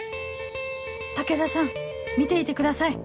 武田さん見ていてください